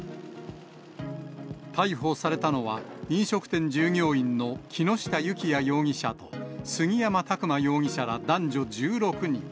逮捕されたのは、飲食店従業員の木下幸也容疑者と杉山琢磨容疑者ら男女１６人。